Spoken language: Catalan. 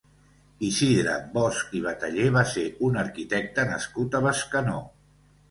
Isidre Bosch i Batallé va ser un arquitecte nascut a Bescanó.